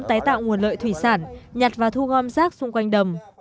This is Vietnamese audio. tái tạo nguồn lợi thủy sản nhặt và thu gom rác xung quanh đầm